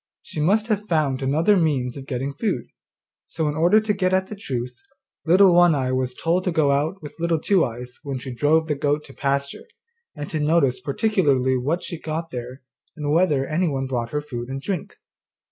She must have found other means of getting food.' So in order to get at the truth, Little One eye was told to go out with Little Two eyes when she drove the goat to pasture, and to notice particularly what she got there, and whether anyone brought her food and drink.